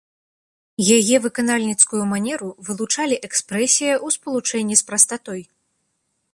Яе выканальніцкую манеру вылучалі экспрэсія ў спалучэнні з прастатой.